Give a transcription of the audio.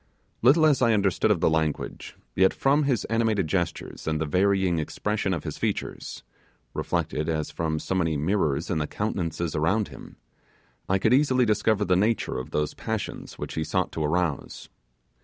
Little as I understood of the language, yet from his animated gestures and the varying expression of his features reflected as from so many mirrors in the countenances around him, I could easily discover the nature of those passions which he sought to arouse.